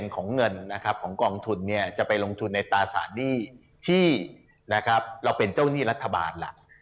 ๘๐ของเงินของกองทุนจะไปลงทุนในตาสาดีที่เราเป็นเจ้าหนี้รัฐบาล